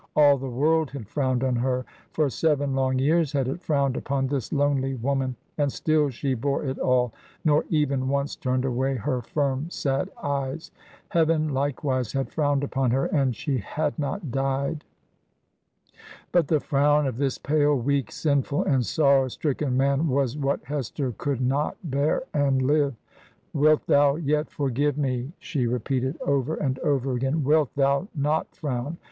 All the world had frowned on her — ^for seven long years had it frowned upon this lonely woman — and still she bore it all, nor even once turned away her firm, sad eyes. Heaven, likewise, had frowned upon her, and she had not died. But the frown of this pale, weak, sinful, and sorrow stricken man was what Hester could not bear and live! 'Wilt thou yet forgive me?' she 171 Digitized by VjOOQIC HEROINES OF FICTION repeated, over and over again. 'Wilt thou not frown?